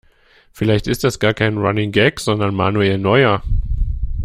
Vielleicht ist das gar kein Running Gag, sondern Manuel Neuer.